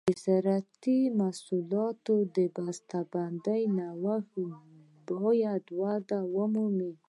د زراعتي محصولاتو د بسته بندۍ نوښتونه باید وده ومومي.